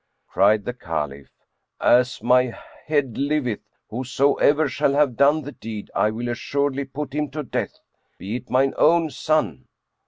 Cried the Caliph, "As my head liveth, whosoever shall have done the deed I will assuredly put him to death, be it mine own son!"